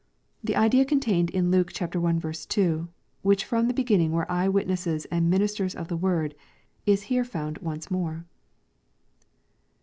The idea contained in Luke i. 2, * which firom the beginning were eye witnesses and ministers of the word,* is here found once more."